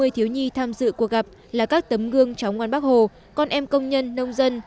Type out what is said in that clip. một trăm sáu mươi thiếu nhi tham dự cuộc gặp là các tấm gương cháu ngoan bác hồ con em công nhân nông dân